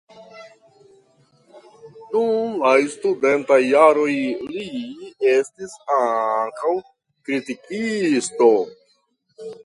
Dum la studentaj jaroj li estis ankaŭ kritikisto.